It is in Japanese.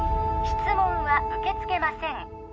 質問は受け付けません